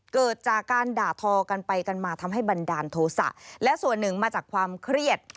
เกิดจากการด่าทอกันไปกันมาทำให้บันดาลโทษะและส่วนหนึ่งมาจากความเครียด